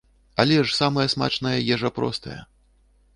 Але ж самая смачная ежа простая.